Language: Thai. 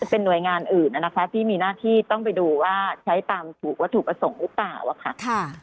เป็นหน่วยงานอื่นนะคะที่มีหน้าที่ต้องไปดูว่าใช้ตามถูกวัตถุประสงค์หรือเปล่าค่ะ